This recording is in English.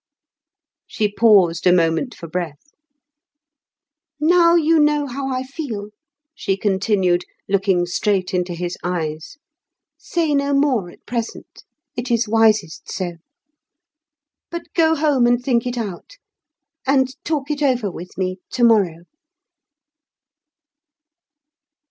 '" She paused a moment for breath. "Now you know how I feel," she continued, looking straight into his eyes. "Say no more at present; it is wisest so. But go home and think it out, and talk it over with me tomorrow."